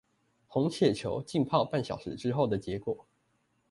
紅血球浸泡半小時之後的結果